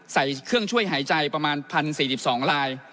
ใส่เครื่องช่วยหายใจประมาณ๑๐๔๒ลาย